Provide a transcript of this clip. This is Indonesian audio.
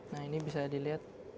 nah ini bisa dilihat